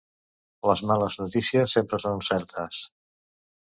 Les males notícies sempre són certes.